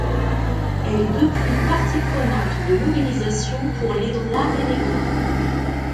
Elle est depuis partie prenante de mobilisations pour les droits des migrants.